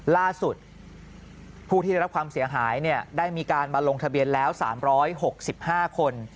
ล่าสุดผู้ที่ได้รับความเสียหายได้มีการมาลงทะเบียนแล้ว๓๖๕คน